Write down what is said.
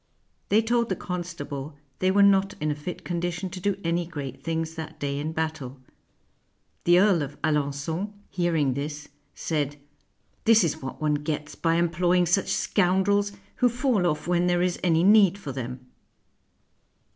They told the constable they were not in a fit condition to do any great things that day in battle. The Earl of Alengon, hearing this, said, "This is what one gets by employing such scoundrels, who fall off when there is any need for them."